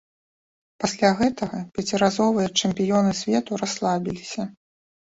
Пасля гэтага пяціразовыя чэмпіёны свету расслабіліся.